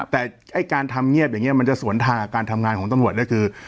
แต่การทำเงียบอย่างนี้มันจะสวนทางการทำงานของตำรวจได้คือ